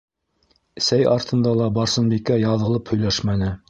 Сәй артында ла Барсынбикә яҙылып һөйләшмәне.